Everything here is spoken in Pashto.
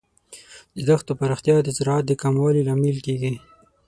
د دښتو پراختیا د زراعت د کموالي لامل کیږي.